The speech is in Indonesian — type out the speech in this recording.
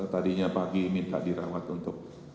tadinya pagi minta dirawat untuk